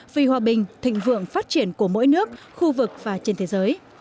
vì hòa bình thịnh vượng phát triển của mỗi nước khu vực và trên thế giới